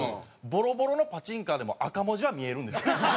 ボロボロのパチンカーでも赤文字は見えるんですよ。